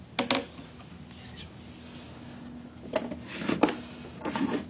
失礼します。